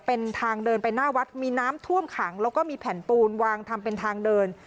เป็นทางเดินไปหน้าวัดมีน้ำท่วมขังแล้วก็มีแผ่นปูนวางทำเป็นทางเดิน